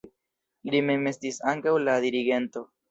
Li mem estis ankaŭ la dirigento.